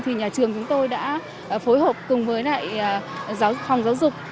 thì nhà trường chúng tôi đã phối hợp cùng với lại giáo phòng giáo dục